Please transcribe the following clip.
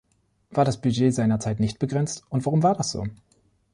War das Budget seinerzeit nicht begrenzt, und warum war das so?